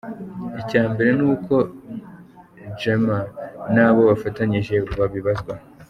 Icya mbere ni uko Jammeh n’abo bafatanyije babibazwa.